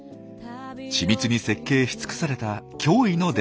緻密に設計し尽くされた驚異のデザインです。